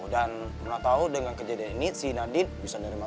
dan pernah tahu dengan kejadian ini si nadine bisa dengerin malu